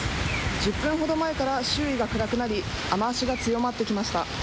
１０分ほど前から周囲が暗くなり雨足が強まってきました。